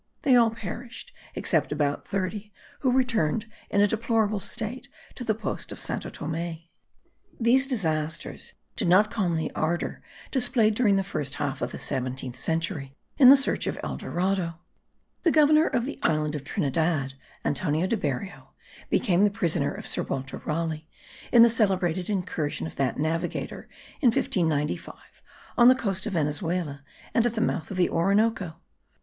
They all perished; except about thirty, who returned in a deplorable state to the post of Santo Thome. These disasters did not calm the ardour displayed during the first half of the 17th century in the search of El Dorado. The Governor of the island of Trinidad, Antonio de Berrio, became the prisoner of Sir Walter Raleigh in the celebrated incursion of that navigator, in 1595, on the coast of Venezuela and at the mouths of the Orinoco.